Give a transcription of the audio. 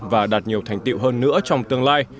và đạt nhiều thành tiệu hơn nữa trong tương lai